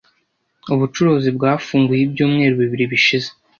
Ubucuruzi bwafunguye ibyumweru bibiri bishize.